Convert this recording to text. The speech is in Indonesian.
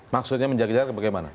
maksudnya menjaga jarak bagaimana